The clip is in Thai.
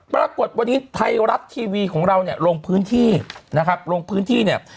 ปรากฏวันนี้ไทยรัฐทีวีของเราเนี่ยลงพื้นที่นะครับลงพื้นที่เนี่ย